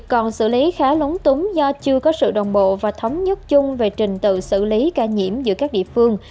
còn xử lý khá lúng túng do chưa có sự đồng bộ và thống nhất chung về trình tự xử lý ca nhiễm giữa các địa phương